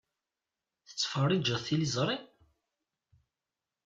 Tettfeṛṛiǧeḍ tiliẓṛi?